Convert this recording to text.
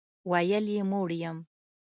ویل یې موړ یم.